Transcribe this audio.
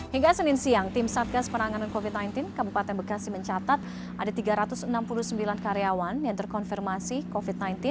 hingga senin siang tim satgas penanganan covid sembilan belas kabupaten bekasi mencatat ada tiga ratus enam puluh sembilan karyawan yang terkonfirmasi covid sembilan belas